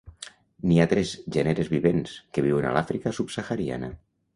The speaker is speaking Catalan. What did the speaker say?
N'hi ha tres gèneres vivents, que viuen a l'Àfrica subsahariana.